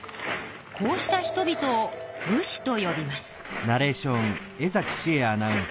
こうした人々を武士とよびます。